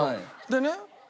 でね